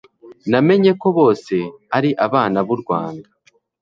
menya ko bose ari abana b'u rwanda